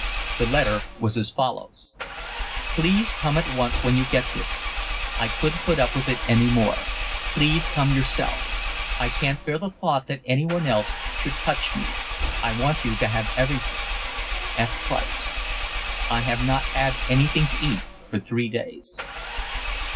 The letter was as follows: Please come at once when you get this. I couldn't put up with it any more. Please come yourself. I can't bear the thought that anyone else should touch me. I want you to have everything. F. Price I have not had anything to eat for three days.